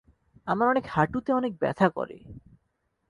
আমার অনেক হাঁটুতে অনেক ব্যথা করে।